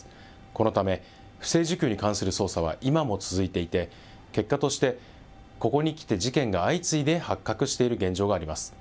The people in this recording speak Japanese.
このため、不正受給に関する捜査は今も続いていて、結果として、ここにきて事件が相次いで発覚している現状があります。